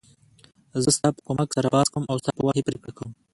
زه ستا په کومک سره بحث کوم او ستا په وحی پریکړه کوم .